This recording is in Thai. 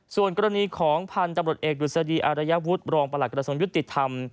ส่วนกรณีของพันธุ์ตำรวจเอกดุษฎีอารยาวุฒิรองประหลักกระทรวงยุติธรรม